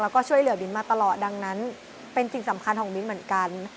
แล้วก็ช่วยเหลือบินมาตลอดดังนั้นเป็นสิ่งสำคัญของมิ้นเหมือนกัน